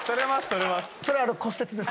それは骨折です。